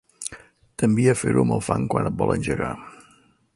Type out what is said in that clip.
T'envia a fer-ho amb el fang quan et vol engegar.